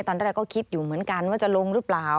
ตอนแรกก็คิดอยู่เหมือนกันว่าจะลงหรือเปล่า